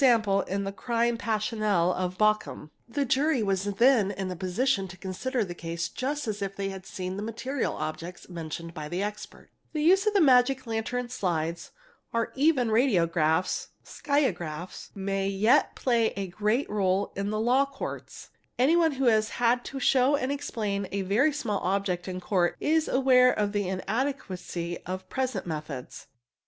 in the crime passionel of Bochum): the jury yas then in a position to consider the case just as if they had seen the laterial objects mentioned by the expert. 6 LP LS LLY) a fA ATURE A TI Sy RTGS FS MLA Pee 260 THE EXPERT The use of magic lantern slides or even of radiographs (sciagraphs) — may yet play a great réle in the Law Courts. Anyone who has had to — show and explain a very small object in Court is aware of the inadequacy of present methods.